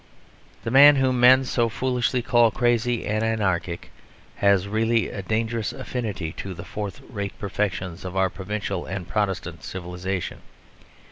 This man whom men so foolishly call crazy and anarchic has really a dangerous affinity to the fourth rate perfections of our provincial and Protestant civilisation.